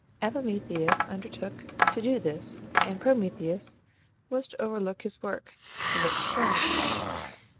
Epimetheus undertook to do this, and Prometheus was to overlook his work, when it was done.